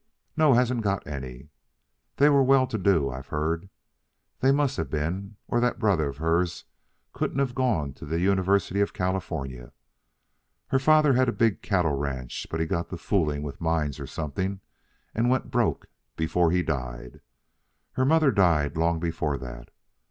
"No; hasn't got any. They were well to do, I've heard. They must have been, or that brother of hers couldn't have gone to the University of California. Her father had a big cattle ranch, but he got to fooling with mines or something, and went broke before he died. Her mother died long before that.